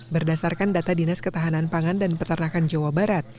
berdasarkan data dinas ketahanan pangan dan peternakan jawa barat